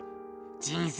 人生